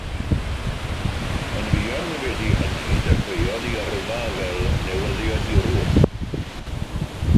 Yn fuan wedi hynny, dechreuodd ei yrfa fel newyddiadurwr.